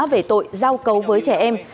về tội giao cấu với trẻ em